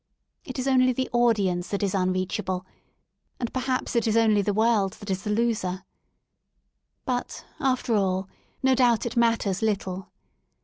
It is only the audience that is unreachable, and perhaps it is only the world that is the loser. But, after all, no doubt it matters little.